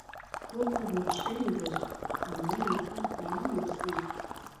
ورته ویل شوي وو د خپرولو لپاره تیار اوسي.